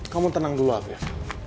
kamu tenang dulu hafif